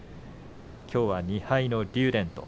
きょうは２敗の竜電と。